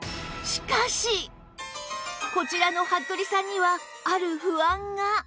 こちらの服部さんにはある不安が